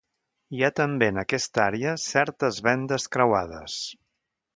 Hi ha també en aquesta àrea certes vendes creuades.